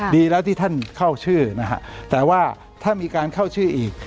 ดีแล้วที่ท่านเข้าชื่อนะฮะแต่ว่าถ้ามีการเข้าชื่ออีก